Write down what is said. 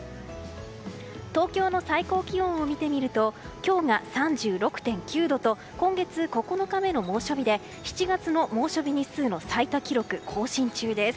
東京の最高気温を見てみると今日が３６．９度と今月９日目の猛暑日で７月の猛暑日日数の最多記録更新中です。